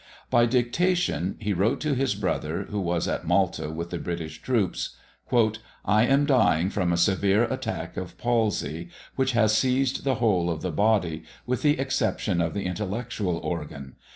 By dictation, he wrote to his brother, who was at Malta with the British troops "I am dying from a severe attack of palsy, which has seized the whole of the body, with the exception of the intellectual organ.